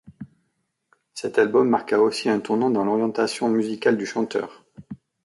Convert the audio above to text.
Cet album marqua aussi un tournant dans l'orientation musicale du chanteur.